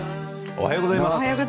おはようございます。